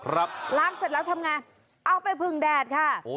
ร้านเสร็จแล้วทำงานเอาไปพึงแดดค่ะ